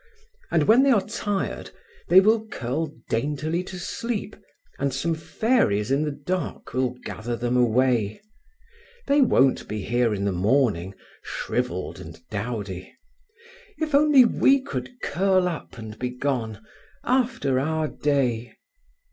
And when they are tired, they will curl daintily to sleep, and some fairies in the dark will gather them away. They won't be here in the morning, shrivelled and dowdy … If only we could curl up and be gone, after our day…."